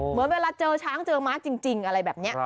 เหมือนเวลาเจอช้างเจอม้าจริงอะไรแบบนี้